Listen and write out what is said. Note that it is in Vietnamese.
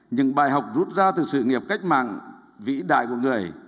những bài học rút ra từ sự nghiệp cách mạng vĩ đại của người